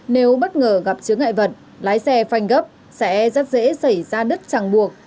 nếu bất ngờ gặp chứa ngại vật lái xe phanh gấp sẽ rất dễ xảy ra đứt chẳng buộc